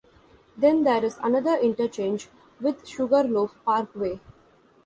Then there is another interchange with Sugarloaf Parkway.